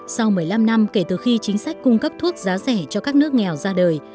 sau một mươi năm năm kể từ khi chính sách cung cấp thuốc giá rẻ cho các nước nghèo ra đời